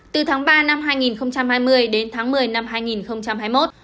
từ tháng ba năm hai nghìn hai mươi đến tháng một mươi năm hai nghìn hai mươi một